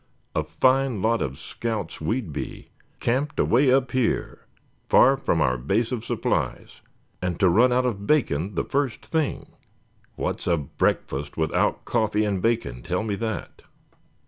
A fine lot of scouts we'd be, camped away up here, far from our base of supplies, and to run out of bacon the first thing. What's a breakfast without coffee and bacon; tell me that?"